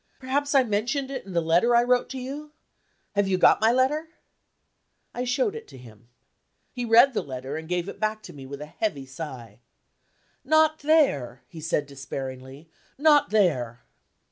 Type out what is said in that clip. Perhaps I mentioned it in the letter I wrote to you. Have you got my letter?" I showed it to him. He read the letter, and gave it back to me with a heavy sigh. "Not there!" he said despairingly. "Not there!"